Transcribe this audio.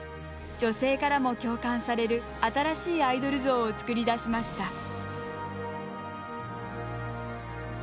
女性からも共感される新しいアイドル像を作り出しました。